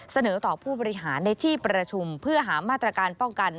เสนอต่อผู้บริหารในที่ประชุมเพื่อหามาตรการป้องกัน